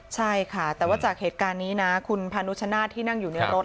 ใช่ค่ะแต่ว่าจากเหตุการณ์นี้นะคุณพานุชนาธิ์ที่นั่งอยู่ในรถ